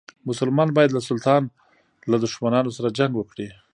مسلمان باید له سلطان له دښمنانو سره جنګ وکړي.